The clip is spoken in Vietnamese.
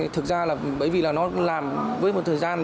thực ra là bởi vì là nó làm với một thời gian